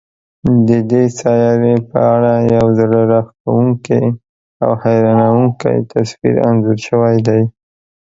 د دې سیارې په اړه یو زړه راښکونکی او حیرانوونکی تصویر انځور شوی دی.